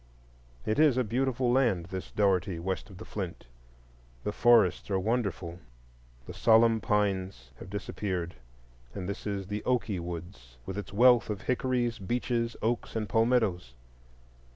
It is a beautiful land, this Dougherty, west of the Flint. The forests are wonderful, the solemn pines have disappeared, and this is the "Oakey Woods," with its wealth of hickories, beeches, oaks and palmettos.